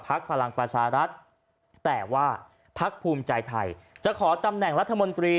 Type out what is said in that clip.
พลังประชารัฐแต่ว่าพักภูมิใจไทยจะขอตำแหน่งรัฐมนตรี